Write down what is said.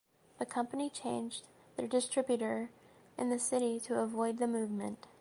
The company changed their distributor in the city to avoid the movement.